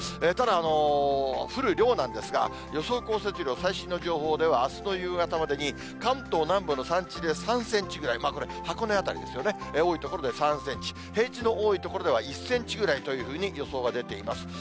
ただ、降る量なんですが、予想降雪量、最新の情報ではあすの夕方までに関東南部の山地で３センチぐらい、これ、箱根辺りですよね、多い所で３センチ、平地の多い所では１センチぐらいというふうに予想が出ています。